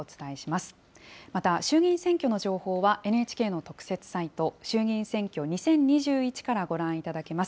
また、衆議院選挙の情報は、ＮＨＫの特設サイト、衆議院選挙２０２１からご覧いただけます。